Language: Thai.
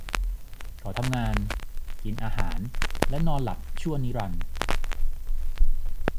เขาทำงาน กินอาหารและนอนหลับชั่วนิรันดร์ !